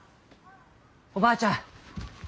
・おばあちゃん！